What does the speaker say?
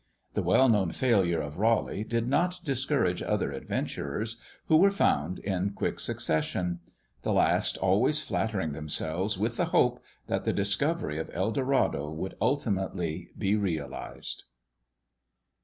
The well known failure of Raleigh did not discourage other adventurers, who were found in quick succession; the last always flattering themselves with the hope that the discovery of El Dorado would ultimately be realized.